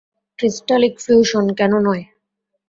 ক্রিস্টালিক fusion, কেন নয়?